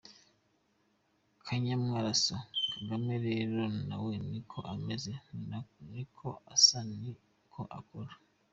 Kanywamaraso, Kagame rero nawe ni ko ameze, ni ko asa, ni ko akora.